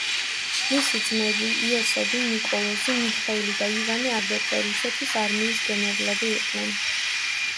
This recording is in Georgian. მისი ძმები, იოსები, ნიკოლოზი, მიხეილი და ივანე აგრეთვე რუსეთის არმიის გენერლები იყვნენ.